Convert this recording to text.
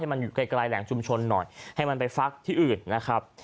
มันอยู่ไกลแหล่งชุมชนหน่อยให้มันไปฟักที่อื่นนะครับ